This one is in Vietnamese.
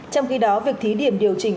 trong khi đó việc thí điểm điều chỉnh